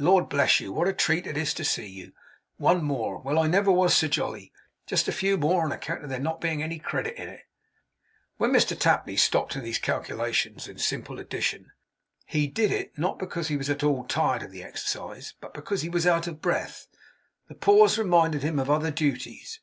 Lord bless you, what a treat it is to see you! One more! Well, I never was so jolly. Just a few more, on account of there not being any credit in it!' When Mr Tapley stopped in these calculations in simple addition, he did it, not because he was at all tired of the exercise, but because he was out of breath. The pause reminded him of other duties.